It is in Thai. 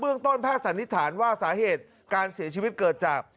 เมืองต้นแพทย์สันนิษฐานว่าสาเหตุการเสียชีวิตเกิดจาก